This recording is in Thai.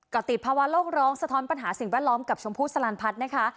ก็ติดภาวะโลกร้องสะท้อนปัญหาสิ่งแวดล้อมกับชมพู่สลันพัฒน์นะคะ